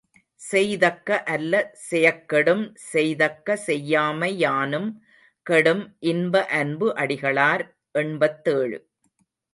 செய்தக்க அல்ல செயக்கெடும் செய்தக்க செய்யாமை யானும் கெடும் இன்ப அன்பு அடிகளார் எண்பத்தேழு.